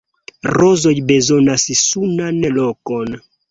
Rozoj bezonas sunan lokon!